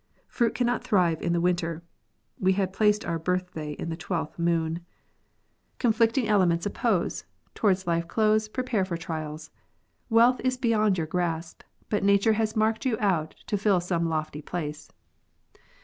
Fruit cannot thrive in the winter. (We had placed our birthday in the 12th moon.) 72 FORTUNE TELLING. Conflicting elements oppose : towards life's close pre pare for trials. Wealth is beyond your grasp ; but nature has marked you out to fill a lofty place."